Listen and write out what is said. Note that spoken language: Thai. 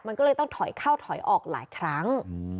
มันก็เลยต้องถอยเข้าถอยออกหลายครั้ง